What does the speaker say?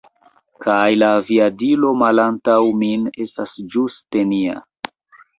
Kaj la aviadilo malantaŭ min estas ĝuste nia